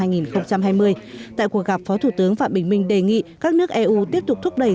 tại cuộc gặp phó thủ tướng phạm bình minh đề nghị các nước eu tiếp tục thúc đẩy